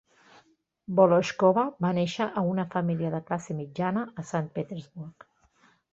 Volochkova va néixer a una família de classe mitjana a Sant Petersburg.